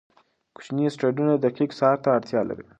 کوچني اسټروېډونه دقیق څار ته اړتیا لري.